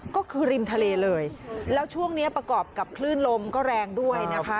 ก็คือริมทะเลเลยแล้วช่วงนี้ประกอบกับคลื่นลมก็แรงด้วยนะคะ